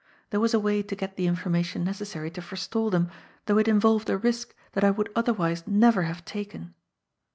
There was a way to get the information necessary to forestall them, though it involved a risk that I would otherwise never have taken.